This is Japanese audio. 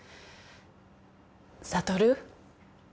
悟。